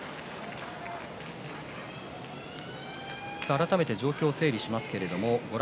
改めて状況を整理します。